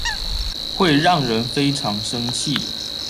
會讓人非常生氣